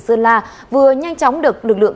sơn la vừa nhanh chóng được lực lượng